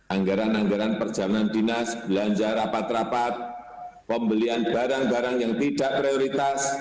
anggaran anggaran perjalanan dinas belanja rapat rapat pembelian barang barang yang tidak prioritas